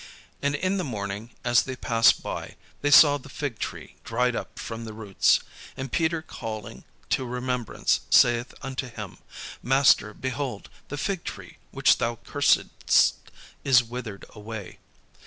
And in the morning, as they passed by, they saw the fig tree dried up from the roots. And Peter calling to remembrance saith unto him, "Master, behold, the fig tree which thou cursedst is withered away."